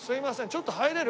ちょっと入れる？